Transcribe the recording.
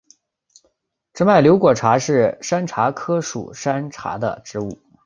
直脉瘤果茶是山茶科山茶属的植物。